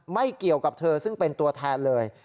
ไม่เกี่ยวกับเธอซึ่งเป็นตัวแทนเลย